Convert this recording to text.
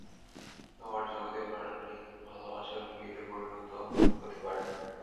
তোমার জগতে ফ্লার্টিং ভালোবাসা এবং বিয়েতে পরিণত হতে পারে।